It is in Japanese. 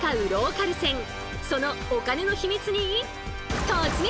そのお金のヒミツに突撃！